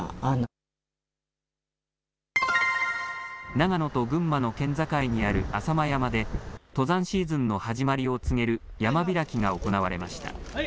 長野と群馬の県境にある浅間山で登山シーズンの始まりを告げる山開きが行われました。